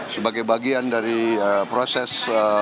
sebagai bagian dari proses